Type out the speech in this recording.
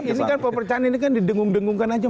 ini kan pepecahan ini kan didengung dengungkan aja